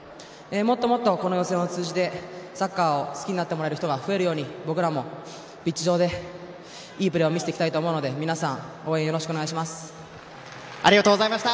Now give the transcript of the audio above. もっともっとこの予選を通じてサッカーを好きになってもらえる人が増えるように、僕らもピッチ上でいいプレーを見せていきたいと思うのでありがとうございました。